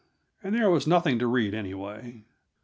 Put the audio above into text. And there was nothing to read, anyway.